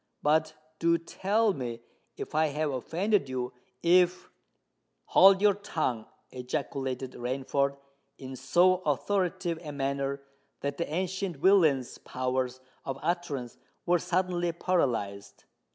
"But do tell me—if I have offended you—if——" "Hold your tongue!" ejaculated Rainford, in so authoritative a manner that the ancient villain's powers of utterance were suddenly paralysed.